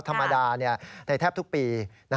ธรรมดาในแทบทุกปี